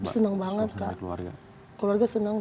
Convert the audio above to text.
senang banget kak keluarga senang